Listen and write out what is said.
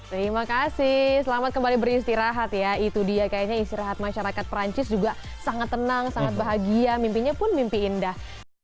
terima kasih selamat kembali beristirahat ya itu dia kayaknya istirahat masyarakat perancis juga sangat tenang sangat bahagia mimpinya pun mimpi indah